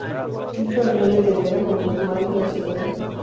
Víctor M. Rivera junto a su madre la Sra.